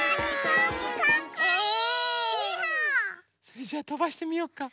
それじゃあとばしてみようか？